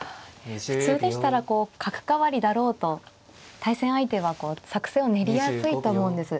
普通でしたらこう角換わりだろうと対戦相手はこう作戦を練りやすいと思うんです。